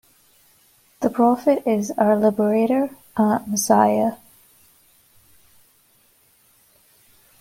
This prophet is our liberator, our Messiah.